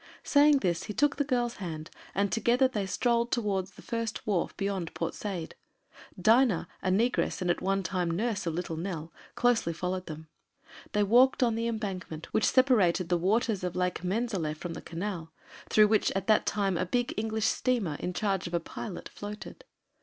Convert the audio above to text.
Saying this he took the girl's hand and together they strolled towards the first wharf beyond Port Said. Dinah, a negress and at one time nurse of little Nell, closely followed them. They walked on the embankment which separated the waters of Lake Menzaleh from the Canal, through which at that time a big English steamer, in charge of a pilot, floated.